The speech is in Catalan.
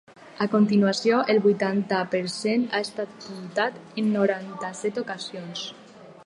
A continuació, el vuitanta per cent ha estat puntuat en noranta-set ocasions.